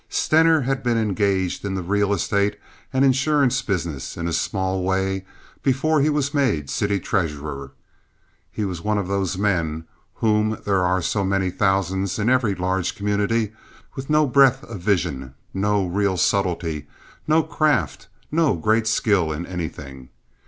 Stener had been engaged in the real estate and insurance business in a small way before he was made city treasurer. He was one of those men, of whom there are so many thousands in every large community, with no breadth of vision, no real subtlety, no craft, no great skill in anything.